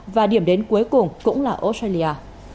và điểm đến cuối cùng cũng là australia